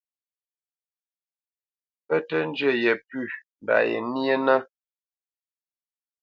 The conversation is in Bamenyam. Pə́ tə́ njə yepʉ̂ mba yenyénə́.